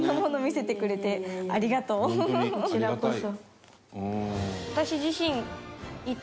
こちらこそ。